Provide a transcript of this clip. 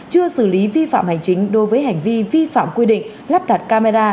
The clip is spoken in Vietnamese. chưa xử lý vi phạm hành chính đối với hành vi vi phạm quy định lắp đặt camera